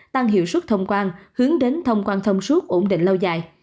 tăng hiệu suất thông quan hướng đến thông quan thông suốt ổn định lâu dài